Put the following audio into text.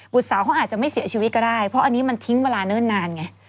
สาวเขาอาจจะไม่เสียชีวิตก็ได้เพราะอันนี้มันทิ้งเวลาเนิ่นนานไง